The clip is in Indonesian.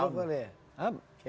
kemaruh boleh ya